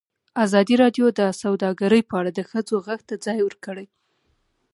ازادي راډیو د سوداګري په اړه د ښځو غږ ته ځای ورکړی.